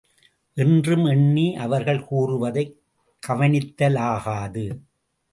என்றும் எண்ணி அவர்கள் கூறுவதைக் கவனித்தலாகாது.